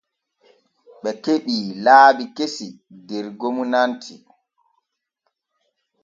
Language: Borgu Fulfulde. Ɓe keɓii laabi kesi der gomnati.